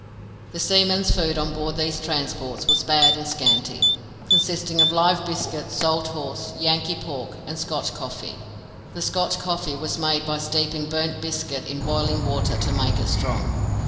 The seamen's food on board these transports was bad and scanty, consisting of live biscuit, salt horse, Yankee pork, and Scotch coffee. The Scotch coffee was made by steeping burnt biscuit in boiling water to make it strong.